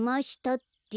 って。